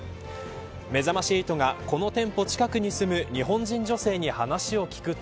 めざまし８がこの店舗近くに住む日本人女性に話を聞くと。